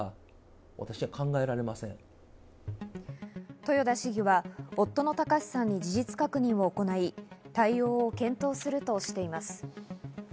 豊田市議は夫の貴志さんに事実確認を行い、対応を検討するとしています。